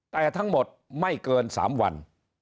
แต่ทั้งหมดไม่เกิน๓วัน